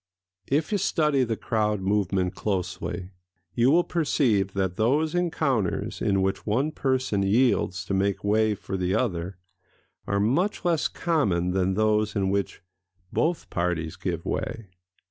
If you study the crowd movement closely, you will perceive that those encounters in which one person yields to make way for the other are much less common than those in which both parties give way.